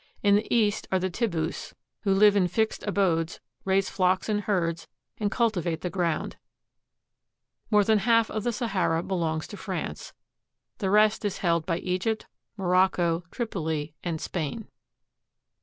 In the east are the Tibbus, who live in fixed abodes, raise flocks and herds, and cultivate the ground. More than half of the Sahara belongs to France; the rest is held by Egypt, Morocco, Tripoli, and Spain.